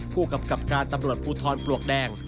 ผู้กำกับการตำรวจภูทรปลวกแดง